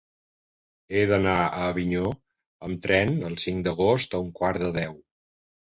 He d'anar a Avinyó amb tren el cinc d'agost a un quart de deu.